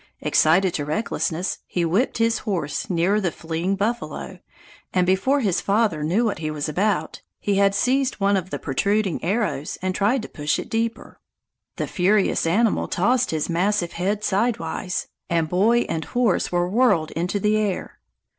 Excited to recklessness, he whipped his horse nearer the fleeing buffalo, and before his father knew what he was about, he had seized one of the protruding arrows and tried to push it deeper. The furious animal tossed his massive head sidewise, and boy and horse were whirled into the air.